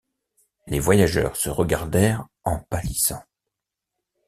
Les voyageurs se regardèrent en pâlissant.